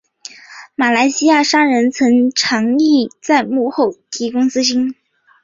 马来西亚商人曾长义在幕后提供资金。